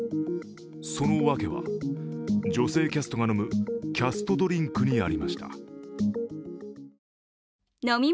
その訳は、女性キャストが飲むキャストドリンクにありました。